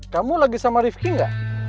kamu lagi sama rifki gak